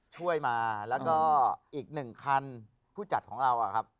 ช่วยมาแล้วก็อีกหนึ่งคันผู้จัดของเราอะครับ